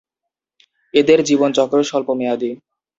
এদের জীবনচক্র স্বল্পমেয়াদি।